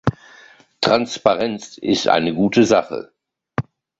Transparenz ist eine gute Sache!